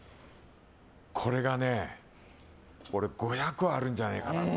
これがね、俺５００はあるんじゃないかなと。